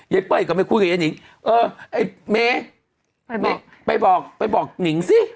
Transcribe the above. ยายเป่ยก็ไม่คุยกับยายนิ๋งเออไอ้เมไปบอกนิ๋งซิ